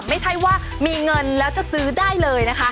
ไม่ใช่ว่ามีเงินแล้วจะซื้อได้เลยนะคะ